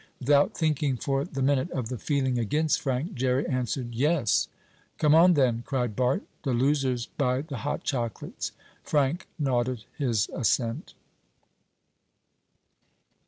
Without thinking, for the minute, of the feeling against Frank, Jerry answered: "Yes!" "Come on then!" cried Bart. "The losers buy the hot chocolates!" Frank nodded his assent.